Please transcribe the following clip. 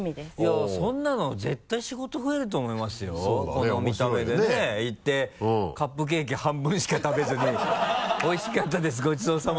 この見た目でね行ってカップケーキ半分しか食べずに「おいしかったですごちそうさまです